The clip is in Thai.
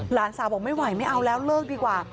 หลานสาวบอกไม่ไหวไม่เอาแล้วเลิกดีกว่า